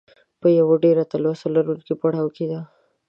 په یوه ډېره تلوسه لرونکي پړاو کې ده.